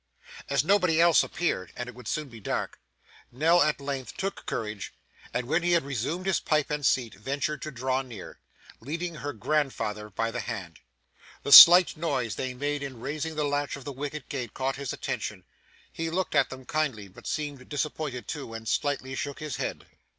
As nobody else appeared and it would soon be dark, Nell at length took courage, and when he had resumed his pipe and seat, ventured to draw near, leading her grandfather by the hand. The slight noise they made in raising the latch of the wicket gate, caught his attention. He looked at them kindly but seemed disappointed too, and slightly shook his head.